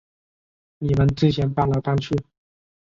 你们之前搬来搬去